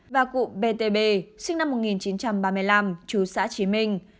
và cụ btb sinh năm một nghìn chín trăm ba mươi năm chú xã trí minh